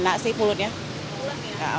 enak sih pulutnya